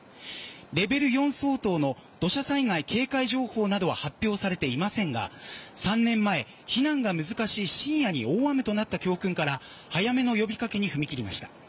レベル４相当の土砂災害警戒情報などは発表されていませんが３年前、避難が難しい深夜に大雨となった教訓から早めの呼びかけに踏み切りました。